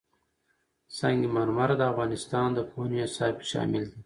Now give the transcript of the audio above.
سنگ مرمر د افغانستان د پوهنې نصاب کې شامل دي.